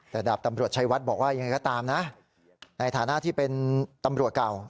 แต่ดาบตำรวจชัยวัดบอกว่ายังไงก็ตามนะในฐานะที่เป็นตำรวจเก่า